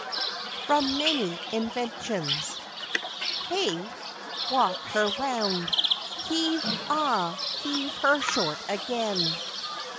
(From Many Inventions). Heh! Walk her round. Heave, ah heave her short again!